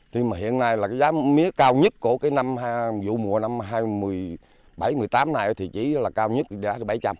thì mà hiện nay là cái giá mía cao nhất của cái năm vụ mùa năm hai nghìn một mươi bảy hai nghìn một mươi tám này thì chỉ là cao nhất là bảy trăm linh